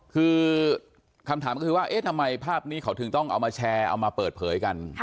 คือคำถามก็คือว่าเอ๊ะทำไมภาพนี้เขาถึงต้องเอามาแชร์เอามาเปิดเผยกัน